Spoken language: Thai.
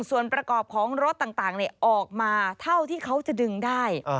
ส่วนประกอบของรถต่างออกมาเท่าที่เขาจะดึงได้